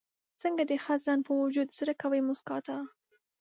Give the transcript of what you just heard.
څنګه د خزان باوجود زړه کوي موسکا ته؟